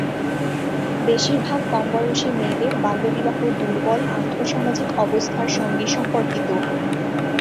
বেশির ভাগ কমবয়সী মেয়েদের বাল্যবিবাহ দুর্বল "আর্থ-সামাজিক অবস্থার" সঙ্গে সম্পর্কিত।